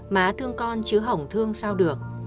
má thương con chứ hổng thương sao được